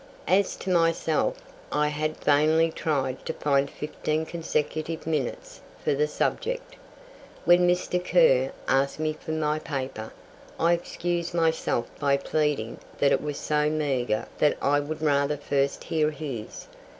As to myself, I had vainly tried to find fifteen consecutive minutes for the subject. When Mr. Kerr asked me for my paper, I excused myself by pleading that it was so meagre that I would rather first hear his.